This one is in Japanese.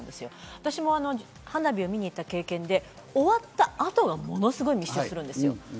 私も花火を見に行った経験で、終わった後がものすごく密集するんですよ。